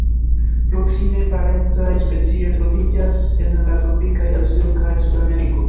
Proksime parencaj specioj troviĝas en la tropikaj Azio kaj Sudameriko.